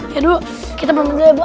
yaudah kita pamit dulu ya bu